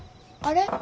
あれ？